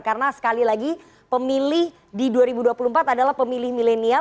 karena sekali lagi pemilih di dua ribu dua puluh empat adalah pemilih milenial